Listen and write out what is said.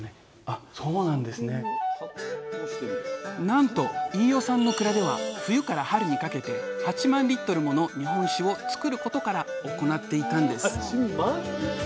なんと飯尾さんの蔵では冬から春にかけて８万もの日本酒をつくることから行っていたんです